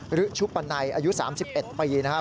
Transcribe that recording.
ชุปันไนอายุ๓๑ปีนะครับ